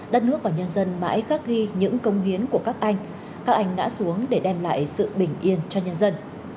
đất nước và nhân dân mãi khắc ghi những công hiến của các anh các anh ngã xuống để đem lại sự bình yên cho nhân dân